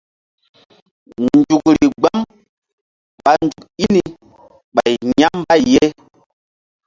Nzukri gbam ɓa nzuk i ni ɓay ya̧ mbay ye.